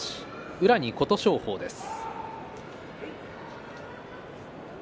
宇良と琴勝峰です。